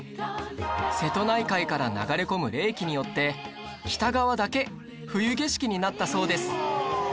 瀬戸内海から流れ込む冷気によって北側だけ冬景色になったそうです